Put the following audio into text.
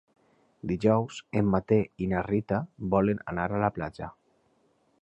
Dijous en Mateu i na Rita volen anar a la platja.